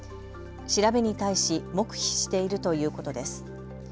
調べに対し黙秘しているということです。